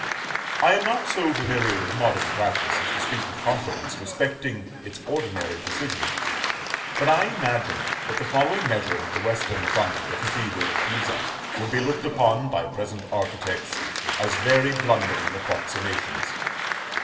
I am not so familiar with modern practice as to speak with confidence respecting its ordinary precision; but I imagine that the following measures of the western front of the cathedral of Pisa, would be looked upon by present architects as very blundering approximations.